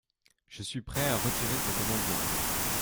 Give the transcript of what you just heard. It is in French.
Je suis prêt à retirer cet amendement.